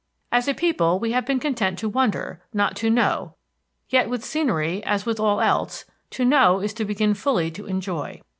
As a people we have been content to wonder, not to know; yet with scenery, as with all else, to know is to begin fully to enjoy.